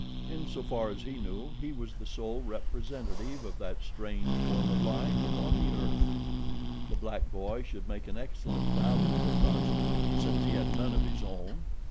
In so far as he knew, he was the sole representative of that strange form of life upon the earth. The black boy should make an excellent balu for Tarzan, since he had none of his own.